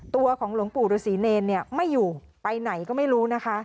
ตัวของหลวงปู่ฤษีเนรเนี่ยไม่อยู่ไปไหนก็ไม่รู้นะคะ